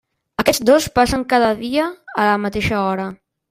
Aquests dos passen cada dia a la mateixa hora.